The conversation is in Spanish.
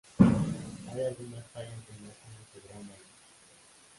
Hay algunas tallas de imágenes de gran valor.